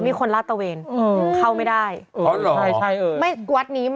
มีในแท้งน้ำอย่างนี้